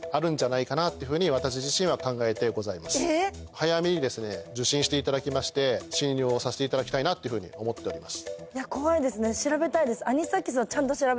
早めに受診していただきまして診療をさせていただきたいなっていうふうに思っております。